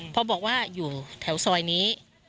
พอบอกว่าอยู่แถวซอยนี้